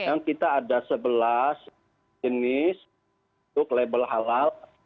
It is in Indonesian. sekarang kita ada sebelas jenis untuk label halal